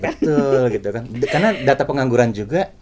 betul gitu kan karena data pengangguran juga